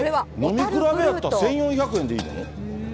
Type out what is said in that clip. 飲み比べだったら１４００円でいいの？